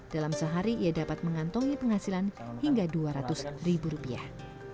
dalam sehari ia dapat mengantongi penghasilan hingga dua ratus ribu rupiah